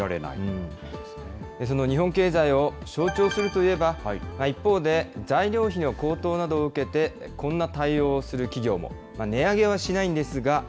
その日本経済を象徴するといえば、一方で材料費の高騰などを受けて、こんな対応をする企業も。